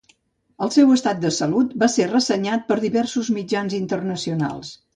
El seu estat de salut va ser ressenyat per diversos mitjans internacionals.